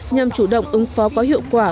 nhằm chủ động ứng phó có hiệu quả